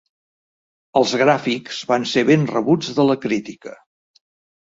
Els gràfics van ser ben rebuts de la crítica.